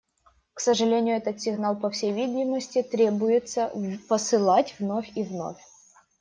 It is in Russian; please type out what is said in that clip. К сожалению, этот сигнал, по всей видимости, требуется посылать вновь и вновь.